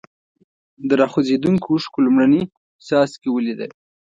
د را خوځېدونکو اوښکو لومړني څاڅکي ولیدل.